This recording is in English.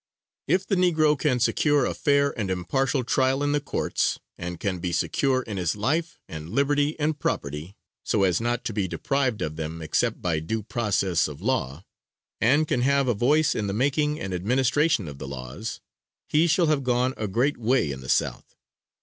If the negro can secure a fair and impartial trial in the courts, and can be secure in his life and liberty and property, so as not to be deprived of them except by due process of law, and can have a voice in the making and administration of the laws, he shall have gone a great way in the South.